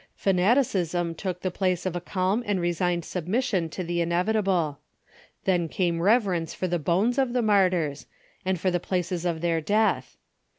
Fanaticism took the place of a calm and resigned submission to the inevitable. Then came rev erence for the bones of the martyrs, and for the places of their death.